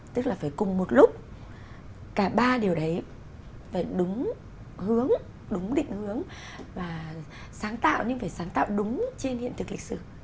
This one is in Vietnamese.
tức là phải cùng một lúc cả ba điều đấy phải đúng hướng đúng định hướng và sáng tạo nhưng phải sáng tạo đúng trên hiện thực lịch sử